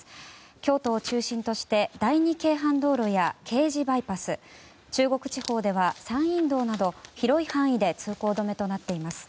京都を中心として第二京阪道路や京滋バイパス中国地方では山陰道など広い範囲で通行止めとなっています。